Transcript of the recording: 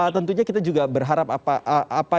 tentunya kita juga berharap apa